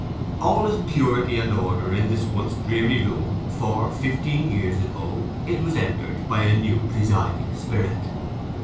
All is purity and order in this once dreary room, for, fifteen years ago, it was entered by a new presiding spirit.